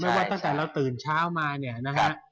ว่าตั้งแต่เราตื่นเช้ามาเนี่ยนะฮะ